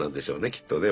きっとね